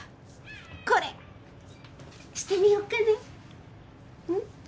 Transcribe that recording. これしてみよっかねうん？